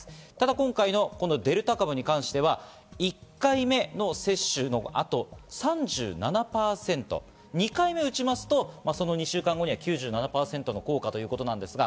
今回のデルタ株に関しては、１回目の接種の後、３７％、２回目を打つと２週間後には９７％の効果ということなんです。